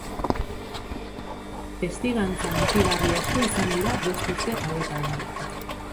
Testigantza hunkigarri asko izan dira bost urte hauetan.